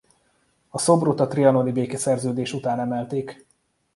A szobrot a trianoni békeszerződés után emelték.